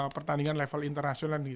pertandingan level internasional gitu loh